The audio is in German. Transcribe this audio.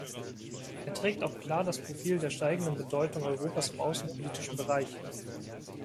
Er trägt auch klar das Profil der steigenden Bedeutung Europas im außenpolitischen Bereich.